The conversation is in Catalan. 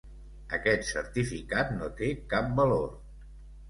Aquest certificat no té cap valor.